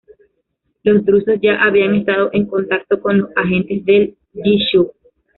Los drusos ya habían estado en contacto con los agentes del Yishuv.